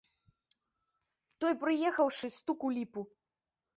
Той, прыехаўшы, стук у ліпу.